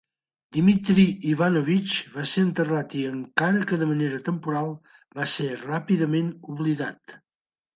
Dmitry Ivanovich va ser enterrat i, encara que de manera temporal, va ser ràpidament oblidat.